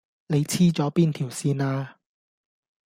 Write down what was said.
你黐咗邊條線呀